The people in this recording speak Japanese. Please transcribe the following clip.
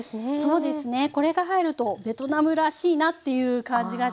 そうですねこれが入るとベトナムらしいなっていう感じがします。